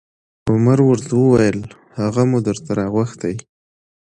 عمر ورته وویل: هغه مو درته راغوښتی